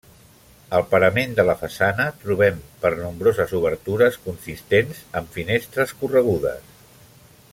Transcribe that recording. Al parament de la façana trobem per nombroses obertures consistents amb finestres corregudes.